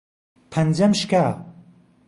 پەنجەم شکا.